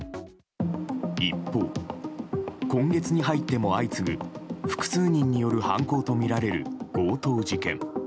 一方、今月に入っても相次ぐ複数人による犯行とみられる強盗事件。